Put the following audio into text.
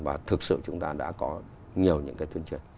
và thực sự chúng ta đã có nhiều những cái tuyên truyền